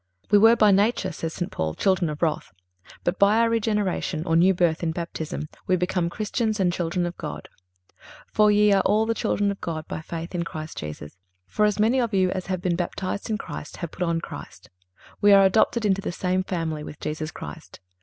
(348) "We were by nature," says St. Paul, "children of wrath," but by our regeneration, or new birth in Baptism, we become Christians and children of God. "For, ye are all the children of God by faith in Christ Jesus. For as many of you as have been baptized in Christ have put on Christ."(349) We are adopted into the same family with Jesus Christ.